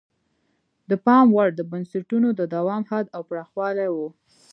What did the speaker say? د پام وړ د بنسټونو د دوام حد او پراخوالی وو.